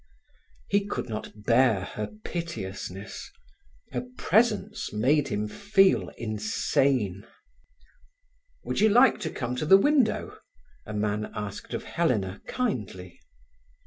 He could not bear her piteousness. Her presence made him feel insane. "Would you like to come to the window?" a man asked of Helena kindly.